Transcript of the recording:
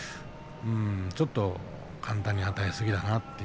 ちょっと簡単に与えすぎだなと。